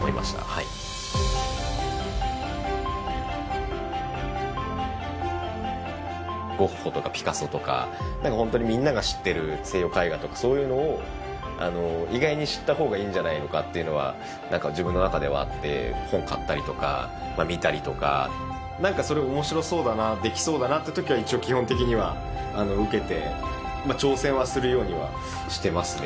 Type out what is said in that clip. はいゴッホとかピカソとかなんかほんとにみんなが知ってる西洋絵画とかそういうのをあの意外に知った方がいいんじゃないのかっていうのはなんか自分の中ではあって本買ったりとかまあ見たりとかなんかそれおもしろそうだなできそうだなってときは一応基本的にはあの受けてまあ挑戦はするようにはしてますね